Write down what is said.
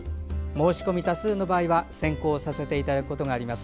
申し込み多数の場合は選考させていただくことがあります。